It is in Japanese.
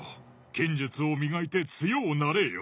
剣術を磨いて強おなれぇよ。